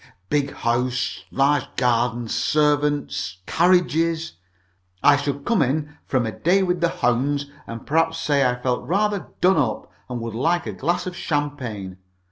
Big house, large garden, servants, carriages. I should come in from a day with the hounds, and perhaps say I felt rather done up, and would like a glass of champagne.